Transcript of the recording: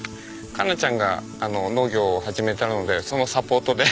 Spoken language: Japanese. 佳奈ちゃんが農業を始めたのでそのサポートで。